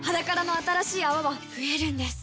「ｈａｄａｋａｒａ」の新しい泡は増えるんです